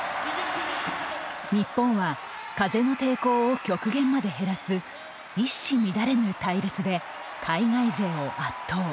日本は風の抵抗を極限まで減らす一糸乱れぬ隊列で海外勢を圧倒。